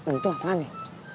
entuk mana nih